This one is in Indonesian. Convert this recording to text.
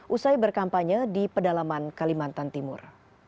usai berkampanye di pedalaman kalimantan timur